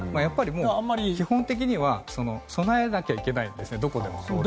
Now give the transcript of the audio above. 基本的には備えなきゃいけないんです、どこでも。